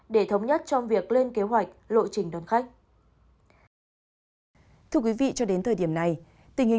để thống nhất trong việc liên kết